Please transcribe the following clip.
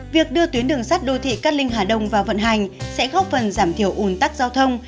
việc đưa tuyến đường sắt đô thị cát linh hà đông vào vận hành sẽ góp phần giảm thiểu ủn tắc giao thông